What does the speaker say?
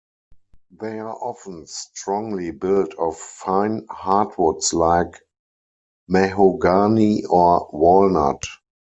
They are often strongly built of fine hardwoods like mahogany or walnut.